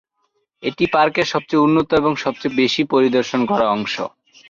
এটি পার্কের সবচেয়ে উন্নত এবং সবচেয়ে বেশি পরিদর্শন করা অংশ।